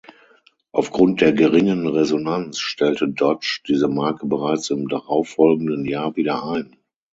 Aufgrund der geringen Resonanz stellte Dodge diese Marke bereits im darauffolgenden Jahr wieder ein.